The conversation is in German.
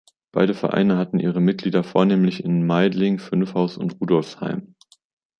Beide Vereine hatten ihre Mitglieder vornehmlich in Meidling, Fünfhaus und Rudolfsheim.